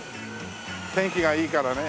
天気がいいからね。